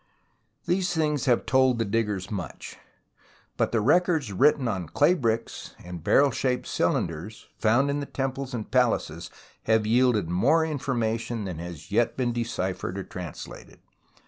These things have told the diggers much, but the records written on clay bricks and barrel shaped cylinders found in the temples and palaces have yielded more information than has yet been de ciphered or translated.